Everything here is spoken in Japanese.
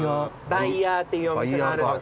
ＢＹＲＥっていうお店があるので。